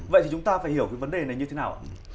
vậy thì chúng ta phải hiểu cái vấn đề này như thế nào